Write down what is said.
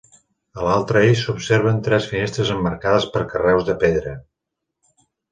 A l'altre eix s'observen tres finestres emmarcades per carreus de pedra.